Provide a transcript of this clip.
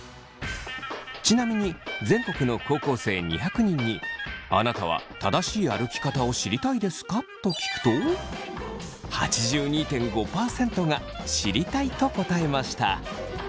ちなみに全国の高校生２００人に「あなたは正しい歩き方を知りたいですか？」と聞くと８２．５％が「知りたい」と答えました。